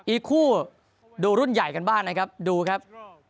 อีกคู่ดูรุ่นใหญ่กันบ้างนะครับดูครับ